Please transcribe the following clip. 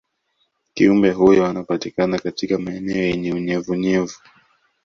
kiumbe huyo anapatikana katika maeneo yenye unyevunyevu